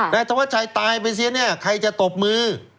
ธวัชชัยตายไปเสียเนี่ยใครจะตบมือ